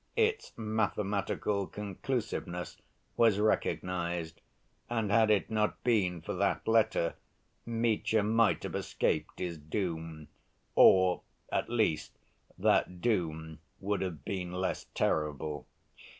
its mathematical conclusiveness was recognized, and had it not been for that letter, Mitya might have escaped his doom or, at least, that doom would have been less terrible.